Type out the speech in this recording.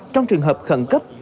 trong trường hợp khẩn cấp